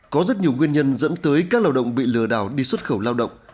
có rất nhiều nguyên nhân dẫn tới các lao động bị lừa đảo đi xuất khẩu lao động